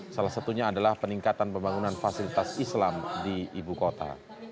salah satunya adalah peningkatan pembangunan fasilitas islam di ibu kota